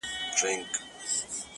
• چي نه یې ګټه نه زیان رسېږي,